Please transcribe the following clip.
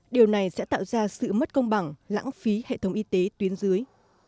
điều này sẽ tạo ra sự mất công bằng lãng phí hệ thống y tế tuyến dưới